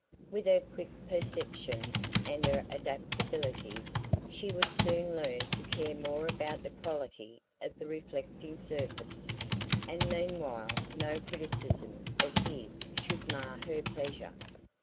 With her quick perceptions and adaptabilities she would soon learn to care more about the quality of the reflecting surface; and meanwhile no criticism of his should mar her pleasure.